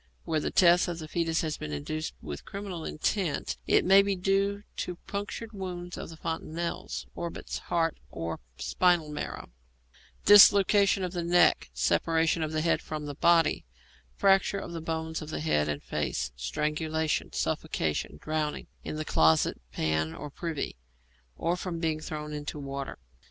Where the death of the foetus has been induced with criminal intent, it may be due to punctured wounds of the fontanelles, orbits, heart, or spinal marrow; dislocation of the neck; separation of the head from the body; fracture of the bones of the head and face; strangulation; suffocation; drowning in the closet pan or privy, or from being thrown into water.